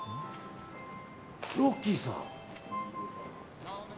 ロッキーさん。